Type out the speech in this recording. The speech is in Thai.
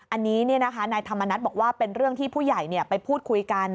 อันนี้นายธรรมนัฏบอกว่าเป็นเรื่องที่ผู้ใหญ่ไปพูดคุยกัน